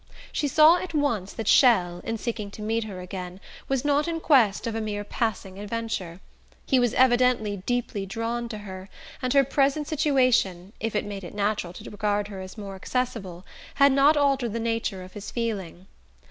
She saw at once that Chelles, in seeking to meet her again, was not in quest of a mere passing adventure. He was evidently deeply drawn to her, and her present situation, if it made it natural to regard her as more accessible, had not altered the nature of his feeling.